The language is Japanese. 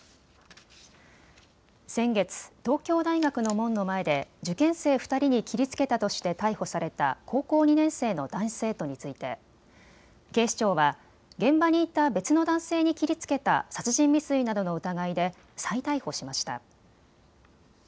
先月、東京大学の門の前で受験生２人に切りつけたとして逮捕された高校２年生の男子生徒について警視庁は現場にいた別の男性に切りつけた殺人未遂などの疑いで再逮捕しました。